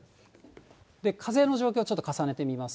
風の状況、ちょっと重ねてみます。